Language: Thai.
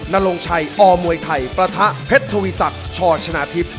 นรงชัยอมวยไทยประทะเพชรทวีศักดิ์ชอชนะทิพย์